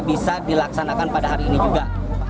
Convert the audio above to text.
bisa dilaksanakan pada hari ini juga